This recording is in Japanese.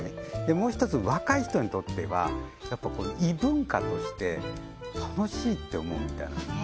もう一つ若い人にとってはやっぱり異文化として楽しいって思うみたいなんです